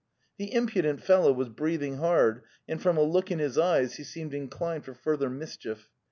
The impudent fellow was breathing hard, and from a look in his eyes he seemed inclined for further mis chief.